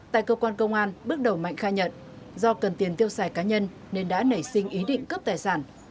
tại cơ quan công an bước đầu mạnh khai nhận do cần tiền tiêu xài cá nhân nên đã nảy sinh ý định cướp tài sản